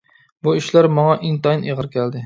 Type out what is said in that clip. بۇ ئىشلار ماڭا ئىنتايىن ئېغىر كەلدى.